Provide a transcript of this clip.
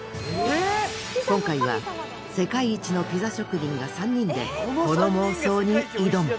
今回は世界一のピザ職人が３人でこの妄想に挑む。